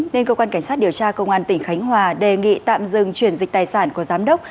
nên cơ quan cảnh sát điều tra công an tỉnh khánh hòa đề nghị tạm dừng chuyển dịch tài sản của giám đốc